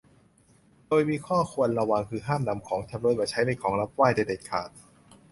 โดยมีข้อควรระวังก็คือห้ามนำของชำร่วยมาใช้เป็นของรับไหว้โดยเด็ดขาด